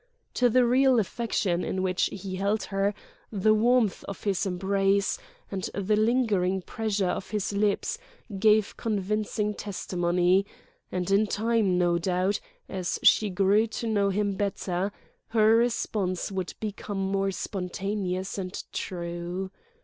To the real affection in which he held her, the warmth of his embrace, and the lingering pressure of his lips gave convincing testimony; and in time, no doubt, as she grew to know him better, her response would become more spontaneous and true.